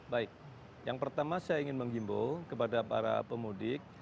baik yang pertama saya ingin menghimbau kepada para pemudik